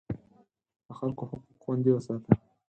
د خلکو حقوق خوندي وساته.